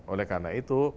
oleh karena itu